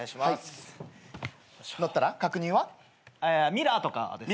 ミラーとかですか？